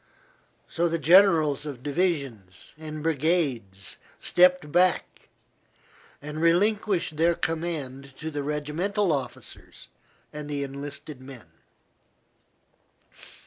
So the generals of divisions and brigades stepped back and relinquished their command to the regimental officers and the enlisted men.